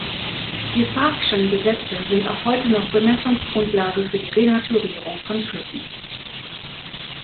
Die Fargue’schen Gesetze sind auch heute noch Bemessungsgrundlage für die Renaturierung von Flüssen.